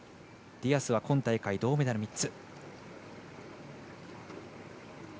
ディアスは今大会、銅メダル３つ。